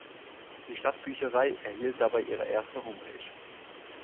Die Stadtbücherei erhielt dabei ihre erste Homepage.